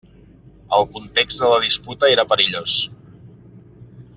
El context de la disputa era perillós.